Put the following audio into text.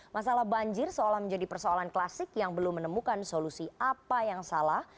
masalah banjir seolah menjadi persoalan klasik yang belum menemukan solusi apa yang salah